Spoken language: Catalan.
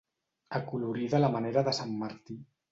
Acolorida a la manera de sant Martí.